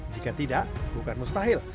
jika tidak bukan mustahil